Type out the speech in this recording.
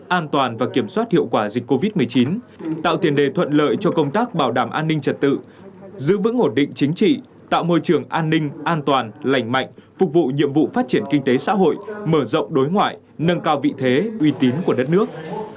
an toàn và kiểm soát hiệu quả dịch covid một mươi chín tạo tiền đề thuận lợi cho công tác bảo đảm an ninh trật tự giữ vững ổn định chính trị tạo môi trường an ninh an toàn lành mạnh phục vụ nhiệm vụ phát triển kinh tế xã hội mở rộng đối ngoại nâng cao vị thế uy tín của đất nước